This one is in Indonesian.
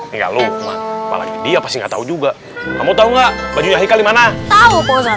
enggak lupa dia pasti enggak tahu juga kamu tahu enggak bajunya haikal mana tahu pesat